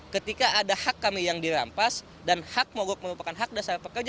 ketika ada hak kami yang dirampas dan hak mogok merupakan hak dasar pekerja